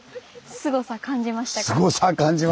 すごさ感じましたね！